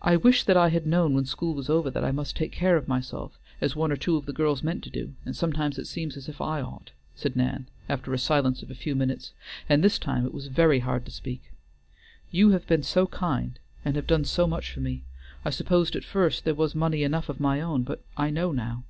"I wish that I had known when school was over that I must take care of myself, as one or two of the girls meant to do, and sometimes it seems as if I ought," said Nan, after a silence of a few minutes, and this time it was very hard to speak. "You have been so kind, and have done so much for me; I supposed at first there was money enough of my own, but I know now."